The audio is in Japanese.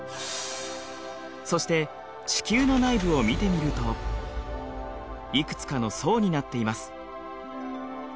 そして地球の内部を見てみるといくつかの層になっています。